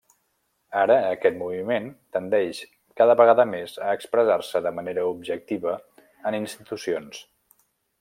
Ara, aquest moviment tendeix cada vegada més a expressar-se de manera objectiva, en institucions.